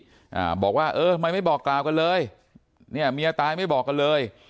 อ่าบอกว่าเออทำไมไม่บอกกล่าวกันเลยเนี่ยเมียตายไม่บอกกันเลย